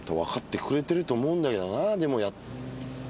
でも。